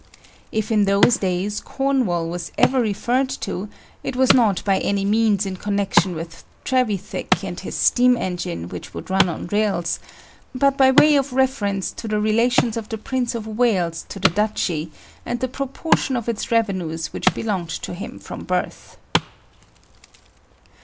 If in those days Cornwall was ever referred to, it was not by any means in connection with Trevithick and his steam engine which would run on rails, but by way of reference to the relations of the Prince of Wales to the Duchy, and the proportion of its revenues which belonged to him from birth.